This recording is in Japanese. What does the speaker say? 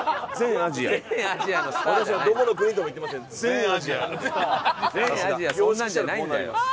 全アジアそんなんじゃないんだよ。